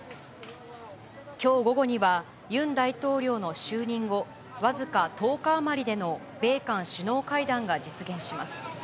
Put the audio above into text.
きょう午後には、ユン大統領の就任後、僅か１０日余りでの米韓首脳会談が実現します。